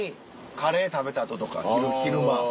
カレー食べた後とか昼間。